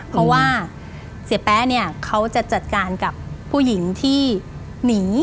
เพราะว่าเสียแป๊ะเนี่ยเขาจะจัดการกับผู้หญิงที่หนี